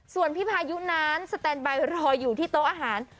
ส่วนพี่พายุนั้นสแตนบายรออยู่ที่โต๊ะอาหาร